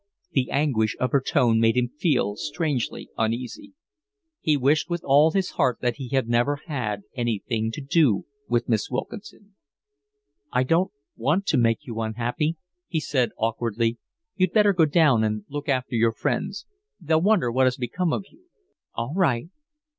The anguish of her tone made him feel strangely uneasy. He wished with all his heart that he had never had anything to do with Miss Wilkinson. "I don't want to make you unhappy," he said awkwardly. "You'd better go down and look after your friends. They'll wonder what has become of you." "All right."